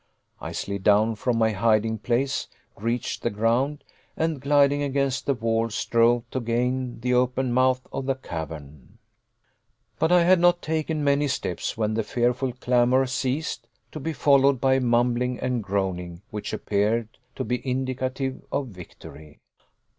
I slid down from my hiding place, reached the ground, and gliding against the wall, strove to gain the open mouth of the cavern. But I had not taken many steps when the fearful clamor ceased, to be followed by a mumbling and groaning which appeared to be indicative of victory.